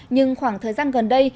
nhưng khoảng thời gian gần đây